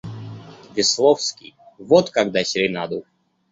Весловский, вот когда серенаду.